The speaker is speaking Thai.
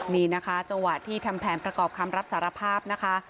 นี่นะคะจังหวะที่ทำแผนประกอบคำรับสารภาพนะคะ